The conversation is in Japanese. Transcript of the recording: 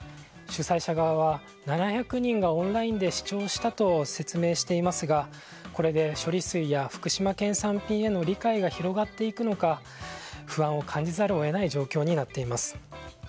主催者側は７００人がオンラインで視聴したと説明していますがこれで処理水や福島県産品への理解が広がっていくのか不安を感じざるを得ない状況になっています。